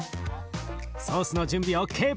ソースの準備ＯＫ。